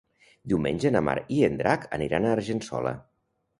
Diumenge na Mar i en Drac aniran a Argençola.